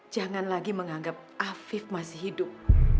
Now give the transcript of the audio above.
jangan lagi menganggap afif masih hidup